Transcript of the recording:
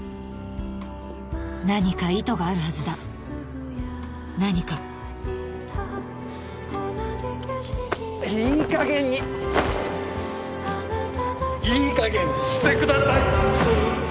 何か意図があるはずだ何かいい加減にいい加減にしてください